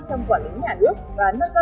trong đó đặc biệt nhấn mạnh